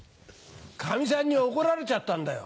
かみさんに怒られちゃったんだよ。